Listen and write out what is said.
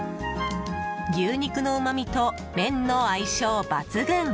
牛肉のうまみと麺の相性抜群！